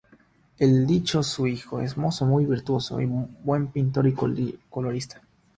El dicho su hijo es mozo muy virtuoso y buen pintor y colorista.